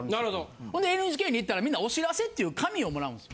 ほんでＮＧＫに行ったらみんなお知らせっていう紙を貰うんです。